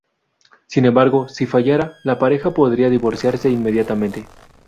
Sin embargo, si fallara, la pareja podría divorciarse inmediatamente.